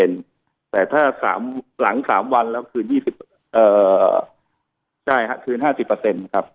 แต่ถ้าหลัง๓วันเราคืน๒๐เอ่อใช่ค่ะคืน๕๐ครับ